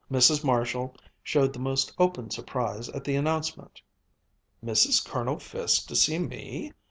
Mrs. Marshall showed the most open surprise at the announcement, "Mrs. Colonel Fiske to see me?